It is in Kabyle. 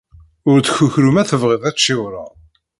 Ur ttkukru ma tebɣiḍ ad tciwṛeḍ.